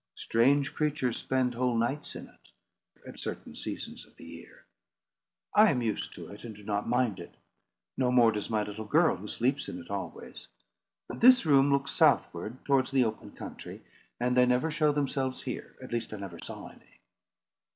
Strange creatures spend whole nights in it, at certain seasons of the year. I am used to it, and do not mind it. No more does my little girl, who sleeps in it always. But this room looks southward towards the open country, and they never show themselves here; at least I never saw any."